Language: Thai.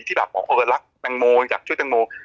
ที่แบบเออรักตังโมอยากช่วยตังโม